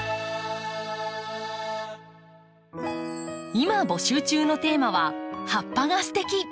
今募集中のテーマは「葉っぱがステキ！」。